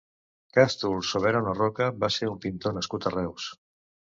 Càstul Soberano Roca va ser un pintor nascut a Reus.